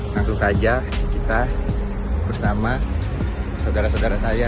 langsung saja kita bersama saudara saudara saya